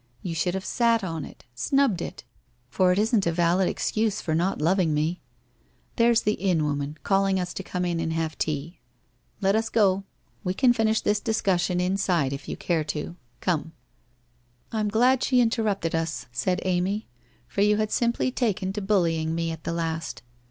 You should have sat on it — snubbed it, for it isn't a valid excuse for not loving me. ... There's the inn woman calling to us to come in and have 802 WHITE ROSE OF WEARY LEAF tea. Let us go! We can finish this discussion inside, if you care to. Come/ ' I am glad she interrupted us,' said Amy, ' for you had simply taken to bullying me, at the last.'